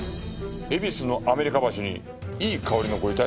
恵比寿のアメリカ橋にいい香りのご遺体？